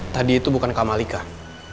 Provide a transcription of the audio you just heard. tadi itu bukan kamali kak